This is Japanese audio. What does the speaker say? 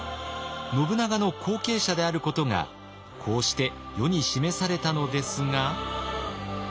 信長の後継者であることがこうして世に示されたのですが。